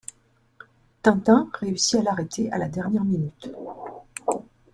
Tintin réussit à l’arrêter à la dernière minute.